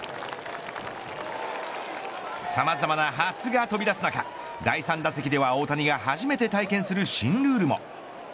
さまざまな初が飛び出す中第３打席では大谷が初めて体験する新ルールも。